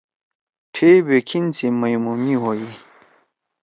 ٹھے بیکِھن سی مئمو می ہوئی۔